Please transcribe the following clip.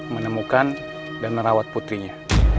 menemukan dan merawat putrinya